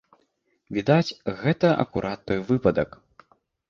Відаць, гэта акурат той выпадак.